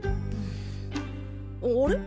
あれ？